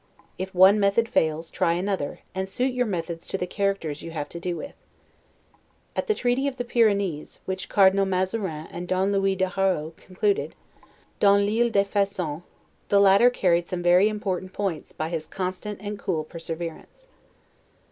If one method fails, try another, and suit your methods to the characters you have to do with. At the treaty of the Pyrenees, which Cardinal Mazarin and Don Louis de Haro concluded, 'dans l'Isle des Faisans', the latter carried some very important points by his constant and cool perseverance.